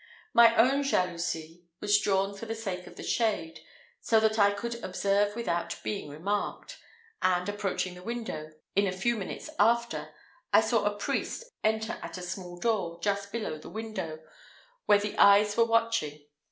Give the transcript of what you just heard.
My own jalousie was drawn for the sake of the shade, so that I could observe without being remarked; and, approaching the window, in a few minutes after, I saw a priest enter at a small door, just below the window, where the eyes were watching.